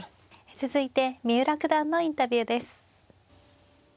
続いて三浦九段のインタビューです。